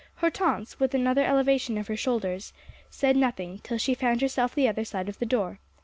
Hortense, with another elevation of her shoulders, said nothing, till she found herself the other side of the door.